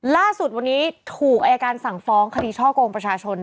ล่าสุดวันนี้ถูกอายการสั่งฟ้องคดีช่อกงประชาชน